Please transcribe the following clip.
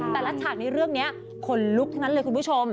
ฉากในเรื่องนี้ขนลุกทั้งนั้นเลยคุณผู้ชม